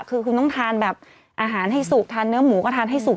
คือคุณต้องทานแบบอาหารให้สุกทานเนื้อหมูก็ทานให้สุก